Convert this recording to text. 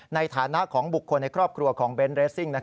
ในฐานะของบุคคลในครอบครัวของเบนท์เรสซิ่ง